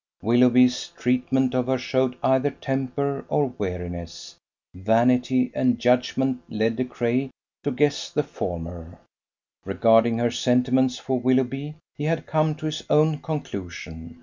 Willoughby's treatment of her showed either temper or weariness. Vanity and judgement led De Craye to guess the former. Regarding her sentiments for Willoughby, he had come to his own conclusion.